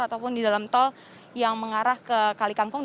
ataupun di dalam tol yang mengarah ke kali kangkung